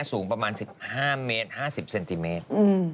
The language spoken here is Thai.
สูงประมาณ๑๕เมตร๕๐เซนติเมตร